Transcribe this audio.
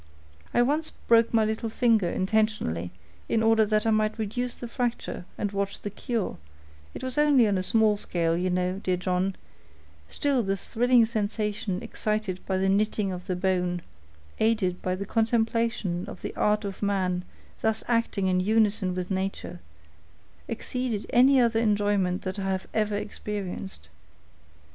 I once broke my little finger intentionally, in order that I might reduce the fracture and watch the cure: it was only on a small scale, you know, dear John; still the thrilling sensation excited by the knitting of the bone, aided by the contemplation of the art of man thus acting in unison with nature, exceeded any other enjoyment that I have ever experienced.